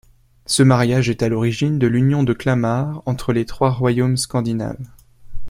Ce mariage est à l'origine de l'Union de Kalmar entre les trois royaumes scandinaves.